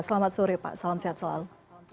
selamat sore pak salam sehat selalu